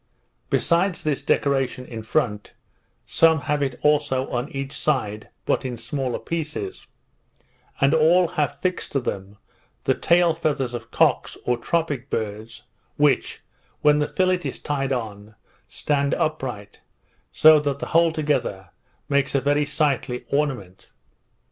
Besides this decoration in front, some have it also on each side, but in smaller pieces; and all have fixed to them, the tail feathers of cocks, or tropic birds, which, when the fillet is tied on, stand upright; so that the whole together makes a very sightly ornament.